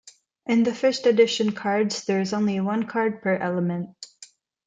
In the first edition cards there is only one card per element.